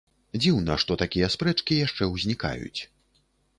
Дзіўна, што такія спрэчкі яшчэ ўзнікаюць.